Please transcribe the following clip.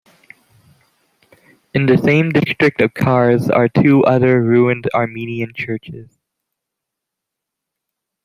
In the same district of Kars are two other ruined Armenian churches.